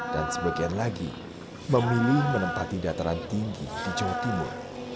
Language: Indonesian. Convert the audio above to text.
dan sebagian lagi memilih menempati dataran tinggi di jawa timur